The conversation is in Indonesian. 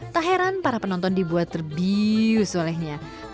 tak heran para penonton dibuat terbius olehnya